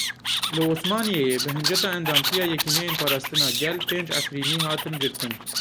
Li Osmaniyeyê bi hinceta endamtiya Yekîneyên Parastina Gel pênc Efrînî hatin girtin.